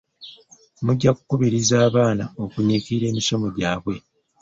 Mujja kukubiriza abaana okunyiikirira emisomo gyabwe.